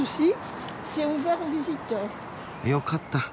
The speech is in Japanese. よかった。